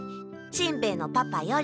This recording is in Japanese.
しんべヱのパパより」。